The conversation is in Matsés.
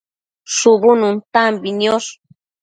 shubu nuntambi niosh